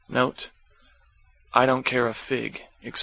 Note, "I don't care a fig," etc.